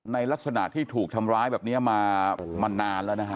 ในลักษณะที่ถูกทำร้ายแบบนี้มานานแล้วนะฮะ